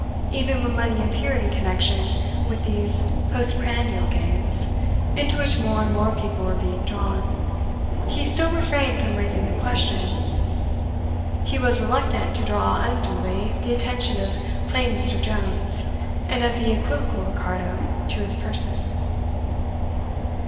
Even when money appeared in connection with these postprandial games, into which more and more people were being drawn, he still refrained from raising the question; he was reluctant to draw unduly the attention of "plain Mr. Jones" and of the equivocal Ricardo, to his person.